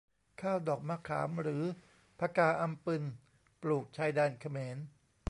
ข้าวดอกมะขาม หรือผกาอำปึญ ปลูกชายแดนเขมร